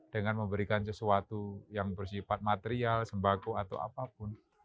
dengan memberikan sesuatu yang bersifat material sembako atau apapun